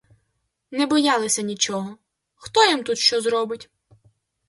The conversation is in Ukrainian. Не боялися нічого — хто їм тут що зробить?